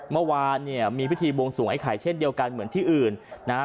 เมื่อวานเนี่ยมีพิธีบวงสวงไอ้ไข่เช่นเดียวกันเหมือนที่อื่นนะฮะ